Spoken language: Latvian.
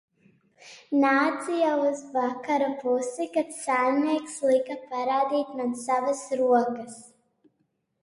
Nāca jau uz vakara pusi, kad saimnieks lika parādīt man savas rokas.